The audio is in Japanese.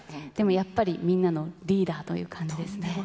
でもやっぱり、みんなのリーダーという感じですね。